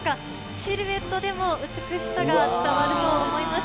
シルエットでも美しさが伝わると思います。